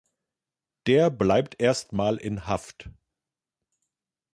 Der bleibt erst mal in Haft.